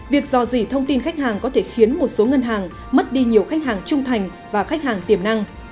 việc dò dỉ thông tin khách hàng có thể khiến một số ngân hàng mất đi nhiều khách hàng trung thành và khách hàng tiềm năng